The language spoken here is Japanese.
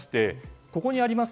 ここにあります